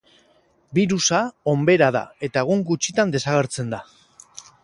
Birusa onbera da eta egun gutxitan desagertzen da.